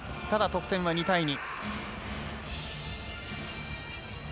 ただ、得点は２対２。